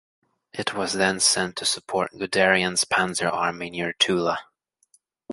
It was then sent to support Guderian's Panzer Army near Tula.